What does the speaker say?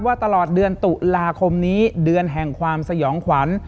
ตลอดเดือนตุลาคมนี้เดือนแห่งความสยองขวัญ